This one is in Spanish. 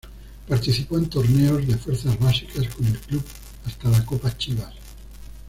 Participó en torneos de fuerzas básicas con el club, hasta la copa chivas.